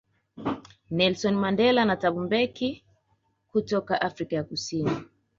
Nelsoni Mandela na Thabo Mbeki kutoka Afrika ya Kusini